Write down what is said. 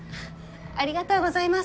ありがとうございます。